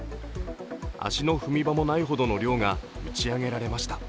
足の踏み場もないほどの量が打ち上げられました。